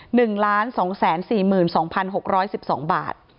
หนึ่งล้านสองแสนสี่หมื่นสองพันหกร้อยสิบสองบาท